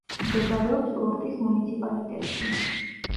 მდებარეობს ორტის მუნიციპალიტეტში.